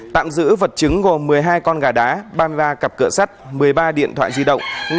tạm giữ vật chứng gồm một mươi hai con gà đá ba mươi ba cặp cửa sắt một mươi ba điện thoại di động